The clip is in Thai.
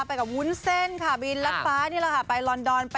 แล้วเพื่อนยังไปไม่ทันแล้วนะไปฟังหน่อยค่ะ